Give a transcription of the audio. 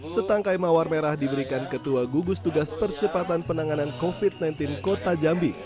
setangkai mawar merah diberikan ketua gugus tugas percepatan penanganan covid sembilan belas kota jambi